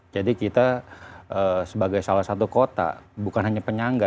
jadi kita sebagai salah satu kota bukan hanya penyangga